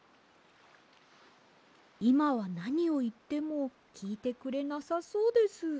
いまはなにをいってもきいてくれなさそうです。